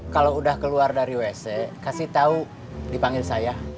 kalau udah keluar dari wc kasih tahu dipanggil saya